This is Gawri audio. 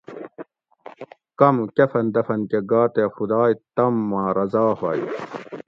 کم کفن دفن کہ گا تے خُدائ تم ما رضا ہوئ